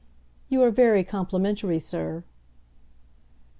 "You are very complimentary, sir."